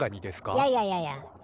いやいやいやいや。